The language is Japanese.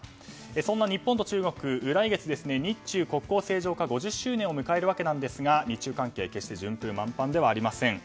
そんな日本と中国は来月日中国交正常化５０周年を迎えるわけなんですが日中関係は決して順風満帆ではありません。